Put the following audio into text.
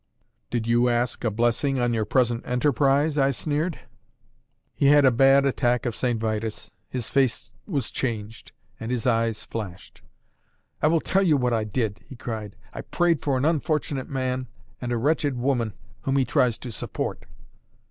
"Did you ask a blessing on your present enterprise?" I sneered. He had a bad attack of St. Vitus, his face was changed, and his eyes flashed. "I will tell you what I did!" he cried. "I prayed for an unfortunate man and a wretched woman whom he tries to support."